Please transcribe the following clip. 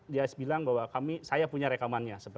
dia bilang bahwa saya punya rekamannya